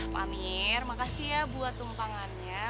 pak amir makasih ya buat tumpangannya